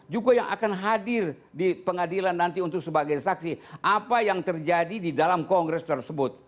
juga yang akan hadir di pengadilan nanti untuk sebagai saksi apa yang terjadi di dalam kongres tersebut